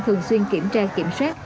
thường xuyên kiểm tra kiểm soát